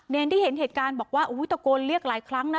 ที่เห็นเหตุการณ์บอกว่าตะโกนเรียกหลายครั้งนะ